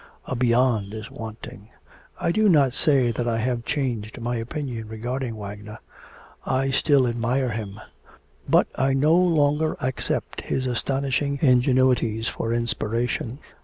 A beyond is wanting.... I do not say that I have changed my opinion regarding Wagner, I still admire him: but I no longer accept his astonishing ingenuities for inspiration.